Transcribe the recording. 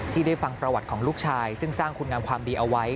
ที่ได้ฟังประวัติของลูกชายซึ่งสร้างคุณงามความดีเอาไว้